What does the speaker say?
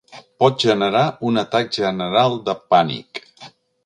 Pot generar un atac general de pànic.